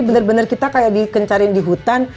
bener bener kita kayak dikencarin di hutan